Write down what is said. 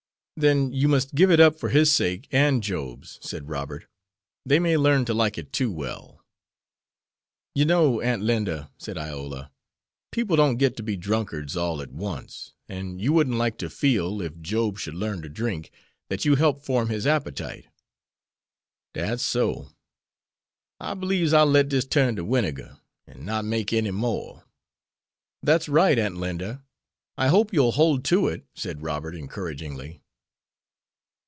"Then you must give it up for his sake and Job's," said Robert. "They may learn to like it too well." "You know, Aunt Linda," said Iola, "people don't get to be drunkards all at once. And you wouldn't like to feel, if Job should learn to drink, that you helped form his appetite." "Dat' so! I beliebs I'll let dis turn to winegar, an' not make any more." "That's right, Aunt Linda. I hope you'll hold to it," said Robert, encouragingly.